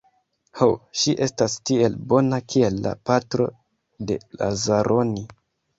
Ho, ŝi estas tiel bona kiel la patro de Lazaroni.